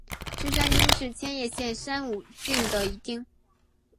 芝山町是千叶县山武郡的一町。